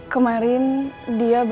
kau bisa lihat